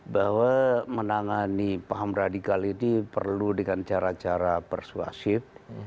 bahwa menangani paham radikal ini perlu dengan cara cara persuasif